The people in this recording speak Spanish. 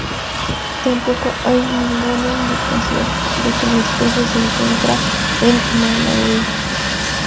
Tampoco hay ninguna indicación de que la especie se encuentra en Malaui.